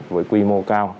với quy mô cao